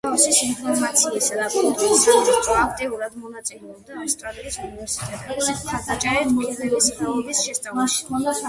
ლაოსის ინფორმაციისა და კულტურის სამინისტრო აქტიურად მონაწილეობდა ავსტრალიის უნივერსიტეტების მხარდაჭერით ქილების ხეობის შესწავლაში.